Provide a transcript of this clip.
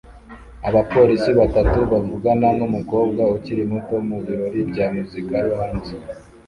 Abapolisi batatu bavugana n’umukobwa ukiri muto mu birori bya muzika yo hanze